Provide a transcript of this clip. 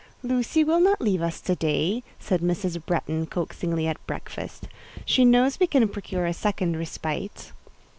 "Lucy will not leave us to day," said Mrs. Bretton, coaxingly at breakfast; "she knows we can procure a second respite."